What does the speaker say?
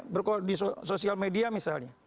berkoal di sosial media misalnya